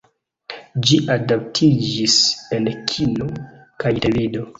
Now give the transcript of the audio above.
Ĝi adaptiĝis en kino kaj televido.